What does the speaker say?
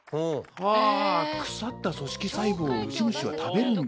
はあ腐った組織細胞をウジ虫は食べるんだ。